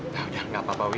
nah udah nggak apa apa wi